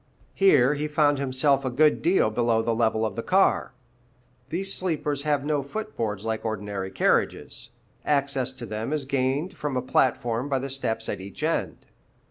Here he found himself a good deal below the level of the car. These sleepers have no foot boards like ordinary carriages; access to them is gained from a platform by the steps at each end.